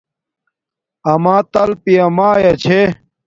آما تل پیامایا چھے